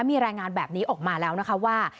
มีรายงานแบบนี้ออกมาแล้วนะคะว่า